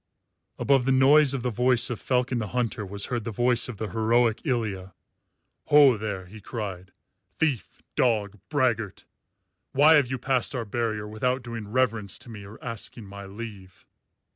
Above the noise of the voice of Falcon the Hunter was heard the voice of the heroic Ilya. "Ho there!" he cried, "Thief, dog, braggart! Why have you passed our barrier without doing reverence to me or asking my leave?"